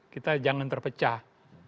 kita jangan terpecah